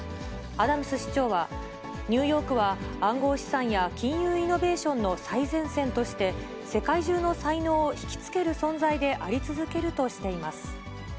アダムス市長は、ニューヨークは、暗号資産や金融イノベーションの最前線として、世界中の才能を引き付ける存在であり続けるとしています。